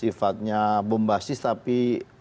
sifatnya bombasis tapi